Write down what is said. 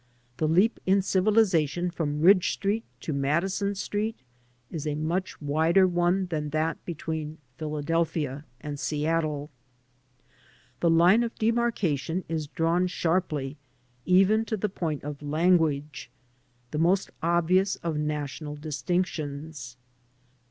The leap in civilization from Ridge Street to Madison Street is a much wider one than that between Philadelphia and Seattle. The line of demarkation is drawn sharply even to the point of language — ^the most obvious of national distinctions.